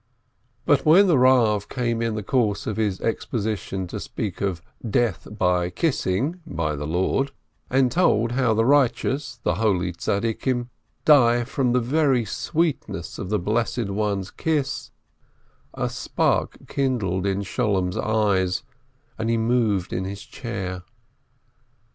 But when the Kav came in the course of his expo sition to speak of "death by kissing" (by the Lord), and told how the righteous, the holy Tzaddikim, die from the very sweetness of the Blessed One's kiss, a spark kindled in Sholem's eyes, and he moved in his chair.